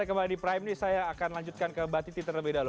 baik kalau di prime news saya akan lanjutkan ke mbak citi terlebih dahulu